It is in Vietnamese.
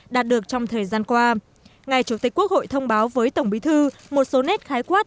đạt được trong thời gian qua ngài chủ tịch quốc hội thông báo với tổng bí thư một số nét khái quát